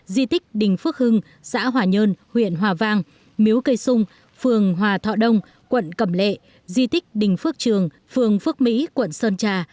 di tích đình phước hưng xã hòa nhơn huyện hòa vang miếu cây sung phường hòa thọ đông quận cẩm lệ di tích đình phước trường phường phước mỹ quận sơn trà